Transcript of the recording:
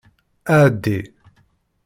Ɛeddi.